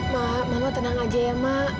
mak mama tenang aja ya mak